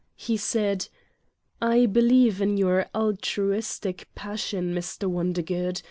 He said: "I believe in your altruistic passion, Mr. Won dergood.